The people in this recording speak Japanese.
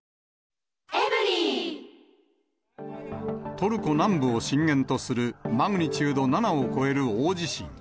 トルコ南部を震源とする、マグニチュード７を超える大地震。